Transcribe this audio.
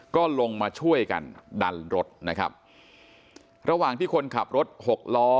ก็ลงมาช่วยกันดันรถนะครับระหว่างที่คนขับรถหกล้อ